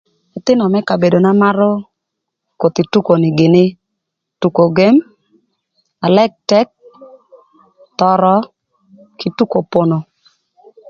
Ëthïnö më kabedona marö koth tuko ni gïnï tuko gem, alëktëk, thörö, kï tuko pono.